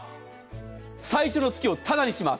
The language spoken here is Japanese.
最初の月をただにします。